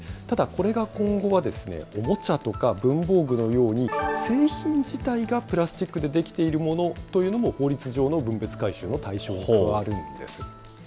ただこれが今後はおもちゃとか文房具のように、製品自体がプラスチックで出来ているというのも法律上の分別回収の対象になっているんです。